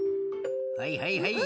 はいはいはい。